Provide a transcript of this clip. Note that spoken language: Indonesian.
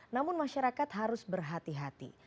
namun masyarakat harus berhati hati